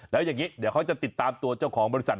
แล้วอย่างนี้เดี๋ยวเขาจะติดตามตัวเจ้าของบริษัท